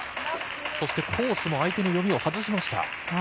そして、コースも相手の読みを外しました。